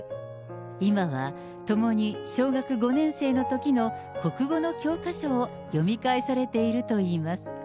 今は共に小学５年生のときの国語の教科書を読み返されているといいます。